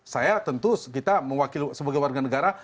saya tentu kita mewakili sebagai warga negara